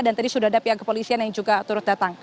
dan tadi sudah ada pihak kepolisian yang juga turut datang